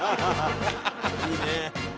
いいね！